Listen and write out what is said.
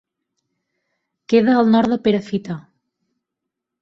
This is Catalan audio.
Queda al nord de Perafita.